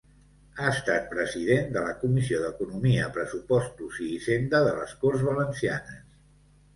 Ha estat president de la Comissió d'Economia, Pressupostos i Hisenda de les Corts Valencianes.